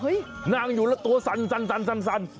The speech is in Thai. นั่งอยู่แล้วตัวสั่น